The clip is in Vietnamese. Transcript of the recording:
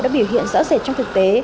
đã biểu hiện rõ rệt trong thực tế